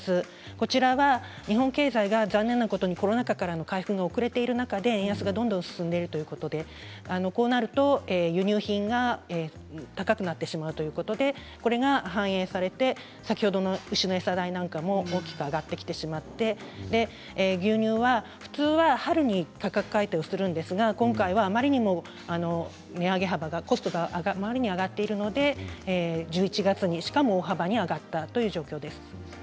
こちらは日本経済が残念なことにコロナ禍からの回復が遅れていることで円安がどんどん進んでいるということで、こうなると輸入品が高くなってしまうということでこれが反映されて先ほどの牛の餌代なんかも大きく上がってきてしまって牛乳は普通は春に価格改定をするんですが今回はあまりにも値上げ幅がコストがあまりにも上がっているので１１月に、しかも大幅に上がったという状況です。